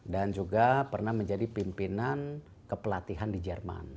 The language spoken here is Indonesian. dan juga pernah menjadi pimpinan kepelatihan di jerman